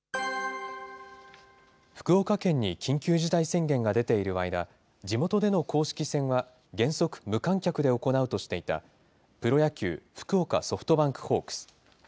福岡県に緊急事態宣言が出ている間、地元での公式戦は原則、無観客で行うとしていた、プロ野球・福岡ソフトバンクホークス。